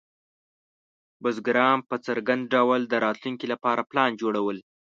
بزګران په څرګند ډول د راتلونکي لپاره پلان جوړول.